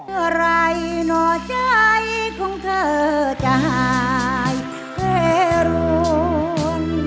สัครัยหน่อใจของเธอจะหายแค่รุน